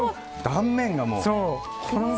断面がもう。